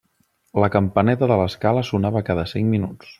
La campaneta de l'escala sonava cada cinc minuts.